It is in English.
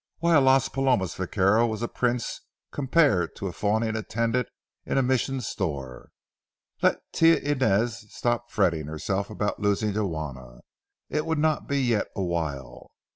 Why, a Las Palomas vaquero was a prince compared to a fawning attendant in a Mission store. Let Tia Inez stop fretting herself about losing Juana—it would not be yet awhile.